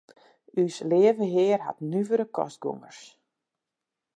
Us Leave Hear hat nuvere kostgongers.